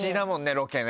ロケね。